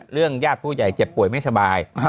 ญาติผู้ใหญ่เจ็บป่วยไม่สบาย